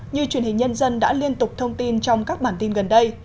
như truyền hình nhân dân đã liên tục thông tin trong các bản tin gần đây